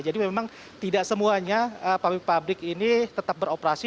jadi memang tidak semuanya pabrik pabrik ini tetap beroperasi